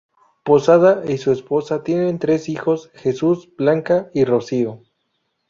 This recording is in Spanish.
Posada y su esposa tienen tres hijos: Jesús, Blanca y Rocío.